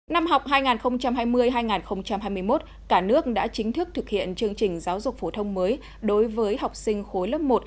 năm học hai nghìn hai mươi hai nghìn hai mươi một cả nước đã chính thức thực hiện chương trình giáo dục phổ thông mới đối với học sinh khối lớp một